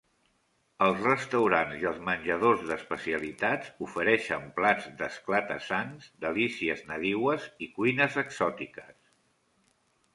Els restaurants i els menjadors d'especialitats ofereixen plats d'esclata-sangs, delícies nadiues i cuines exòtiques.